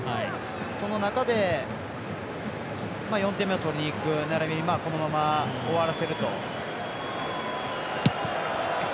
その中で、４点目を取りにいくならびに、このまま終わらせると。